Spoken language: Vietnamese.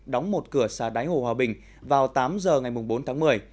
đóng một cửa xã đái hồ hòa bình vào tám giờ ngày bốn tháng một mươi